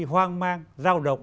hoang mang giao động